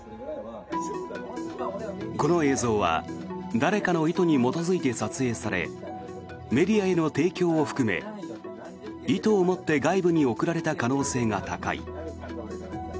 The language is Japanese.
この映像は誰かの意図に基づいて撮影されメディアへの提供を含め意図を持って外部に送られた可能性が高い。